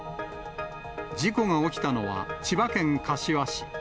事故が起きたのは千葉県柏市。